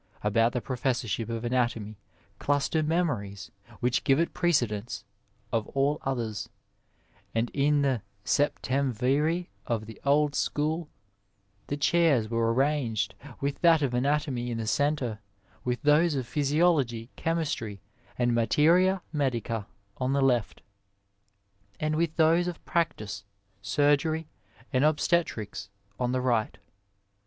About the professorship of anatomy cluster memories which give it precedence of all others, and in the 80 Digitized by Google THE LEAVEN OF SCIENCE aeptemTiri of the old school the chairs were arranged, with that of anatomy in the centre, with those of physiology, chemistry, and materia medica on the left, and with those of practice, surgery, and obstetrics on the right.